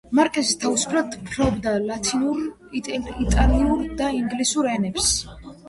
მარკიზა თავისუფლად ფლობდა ლათინურ, იტალიურ და ინგლისურ ენებს.